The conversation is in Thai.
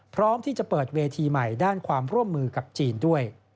พร้อมที่จะเปิดเวทีใหม่ด้านความร่วมมือกับจีนด้วย